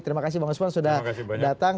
terima kasih bang usman sudah datang